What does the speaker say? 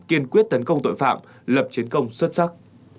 kiên quyết tấn công tội phạm lập chiến công xuất sắc